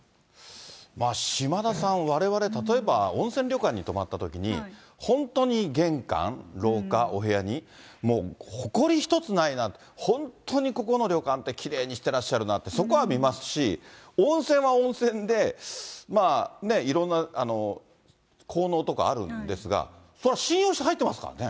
島田さん、われわれ、例えば温泉旅館に泊まったときに、本当に玄関、廊下、お部屋に、もうほこり一つないな、本当にここの旅館ってきれいにしてらっしゃるなって、そこは見ますし、温泉は温泉で、いろんな効能とかあるんですが、それは信用して入ってますからね。